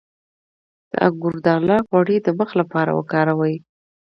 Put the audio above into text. د انګور دانه غوړي د مخ لپاره وکاروئ